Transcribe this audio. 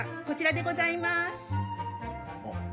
こちらでございます。